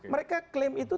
mereka klaim itu